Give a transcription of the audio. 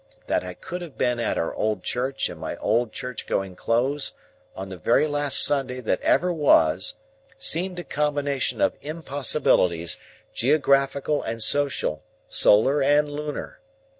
That I could have been at our old church in my old church going clothes, on the very last Sunday that ever was, seemed a combination of impossibilities, geographical and social, solar and lunar.